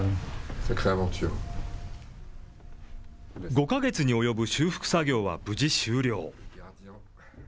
５か月に及ぶ修復作業は無事終了。